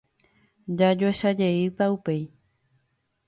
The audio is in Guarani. Jajuecha jeýta upéi.